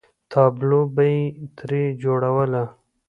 تابلو به یې ترې جوړوله.